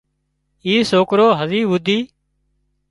اِ سوڪرو هزي هوڌي